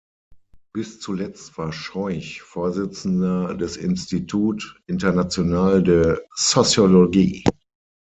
Bis zuletzt war Scheuch Vorsitzender des Institut International de Sociologie.